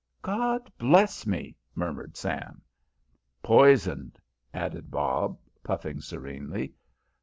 "God bless me," murmured Sam. "Poisoned," added Bob, puffing serenely.